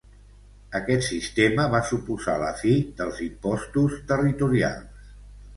Aquest sistema va suposar la fi dels impostos territorials.